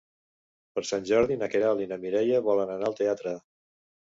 Per Sant Jordi na Queralt i na Mireia volen anar al teatre.